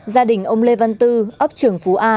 gia đình ông lê văn tư ốc trưởng phú a